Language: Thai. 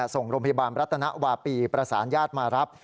ส่งโรงพยาบาลรัตนวาปีประสานญาติมารับ